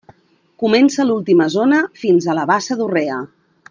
Comença l'última zona fins a la bassa d'Urrea.